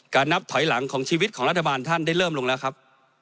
นับถอยหลังของชีวิตของรัฐบาลท่านได้เริ่มลงแล้วครับ